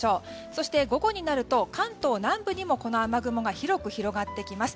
そして、午後になると関東南部にもこの雨雲が広く広がってきます。